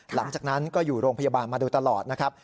หลังจากนั้นก็อยู่โรงพยาบาลมาโดยตลอดนะครับ